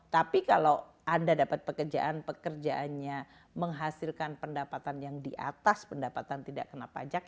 tapi kalau anda dapat pekerjaan pekerjaannya menghasilkan pendapatan yang di atas pendapatan tidak kena pajak